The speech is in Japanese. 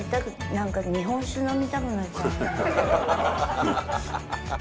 何か日本酒飲みたくなっちゃう。